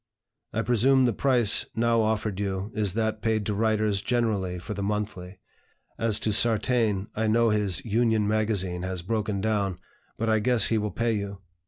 I presume the price now offered you is that paid to writers generally for the 'Monthly.' As to Sartain, I know his '(Union) Magazine' has broken down, but I guess he will pay you.